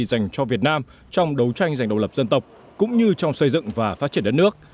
dành cho việt nam trong đấu tranh dành độc lập dân tộc cũng như trong xây dựng và phát triển đất nước